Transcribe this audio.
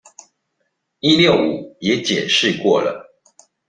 一六五也解釋過了